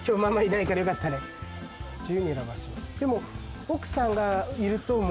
でも。